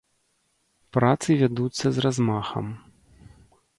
Працы вядуцца з размахам.